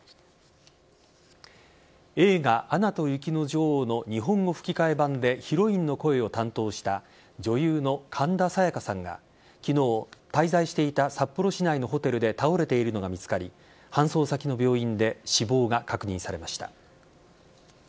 映画「アナと雪の女王」の日本語吹替版でヒロインの声を担当した女優の神田沙也加さんが昨日、滞在していた札幌市内のホテルで倒れているのが見つかり搬送先の病院で死亡が確認されました。